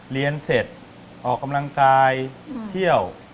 เรียนเสร็จออกกำลังกายเที่ยว